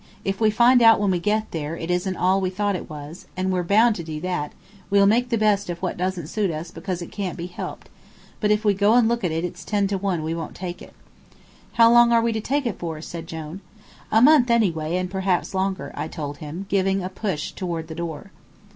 "If we find out when we get there it isn't all we thought it was, and we're bound to do that, we'll make the best of what doesn't suit us because it can't be helped; but if we go and look at it it's ten to one we won't take it." "How long are we to take it for?" said Jone. "A month anyway, and perhaps longer," I told him, giving him a push toward the door.